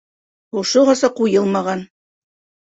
Ошоғаса ҡуйылмаған!